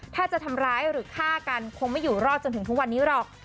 ถ้าจะทำร้ายหรือฆ่ากันคงไม่อยู่รอดจนถึงทุกวันนี้หรอก